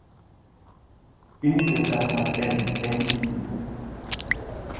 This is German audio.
Jimmys bester Freund Ben ist täglich zu Besuch.